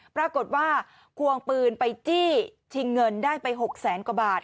ปรากฏว่าควงปืนไปจี้ชิงเงินได้ไป๖แสนกว่าบาท